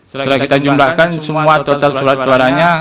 setelah kita jumlahkan semua total surat suaranya